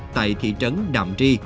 tại thị trấn đạm tri